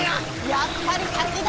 やっぱり滝だ！